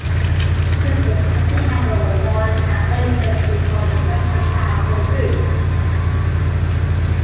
This was especially helpful for calculations involving fractional powers and roots.